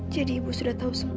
jadi ibu sudah tahu semuanya